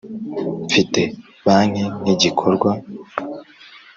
ufite banki nk igikorwa